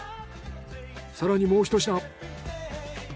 更にもうひと品。